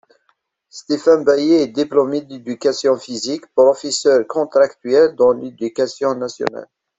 Stéphane Bahier est diplômé d’éducation physique, professeur contractuel dans l’éducation nationale.